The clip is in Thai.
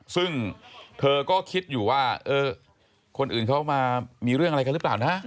ซึ่งเธอก็คิดอยู่ว่าเออคนอื่นเขามามีเรื่องอะไรกันหรือเปล่านะ